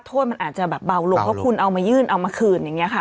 โทษมันอาจจะแบบเบาลงเพราะคุณเอามายื่นเอามาคืนอย่างนี้ค่ะ